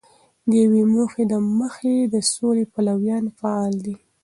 د یوې موخی د مخې د سولې پلویان فعال دي.